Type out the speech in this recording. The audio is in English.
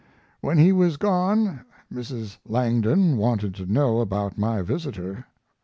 When he was gone Mrs. Langdon wanted to know about my visitor.